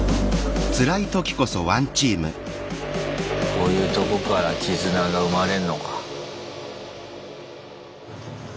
こういうとこから絆が生まれんのか。